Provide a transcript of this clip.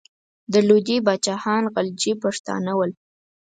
د لودي پاچاهان غلجي پښتانه ول.